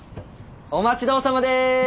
お待ち遠さまです！